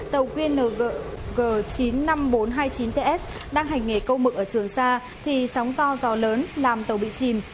tàu qng chín mươi năm nghìn bốn trăm hai mươi chín ts đang hành nghề câu mực ở trường sa thì sóng to gió lớn làm tàu bị chìm